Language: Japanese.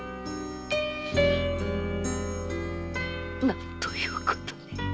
なんということに。